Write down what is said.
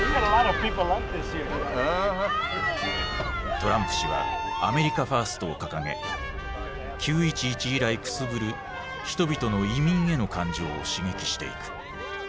トランプ氏はアメリカ・ファーストを掲げ９．１１以来くすぶる人々の移民への感情を刺激していく。